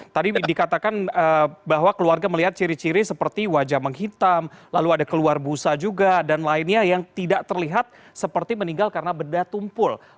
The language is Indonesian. tadi dikatakan bahwa keluarga melihat ciri ciri seperti wajah menghitam lalu ada keluar busa juga dan lainnya yang tidak terlihat seperti meninggal karena bedah tumpul